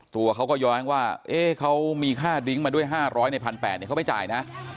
ตัวเขาก็แย้งว่าเขามีค่าดิ้งมาด้วย๕๐๐ใน๑๘๐๐เขาไม่จ่ายนะ